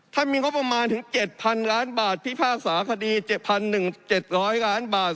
ถ้ามีเงาะประมาณถึงเจ็ดพันล้านบาทที่ภาคสาคดีเจ็ดพันหนึ่งเจ็ดร้อยล้านบาท